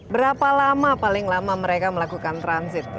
berapa lama paling lama mereka melakukan transit